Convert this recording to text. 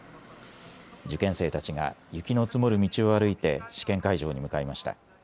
受験生たちが雪の積もる道を歩いて試験会場に向かいました。